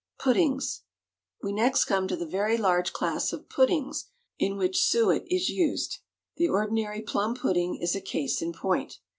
PUDDINGS. We next come to the very large class of puddings in which suet is used. The ordinary plum pudding is a case in point.